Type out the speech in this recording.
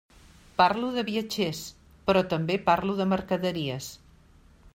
Parlo de viatgers, però també parlo de mercaderies.